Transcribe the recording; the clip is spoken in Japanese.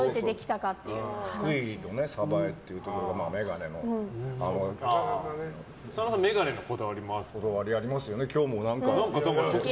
福井の鯖江というところで佐野さん、眼鏡のこだわりありますよ。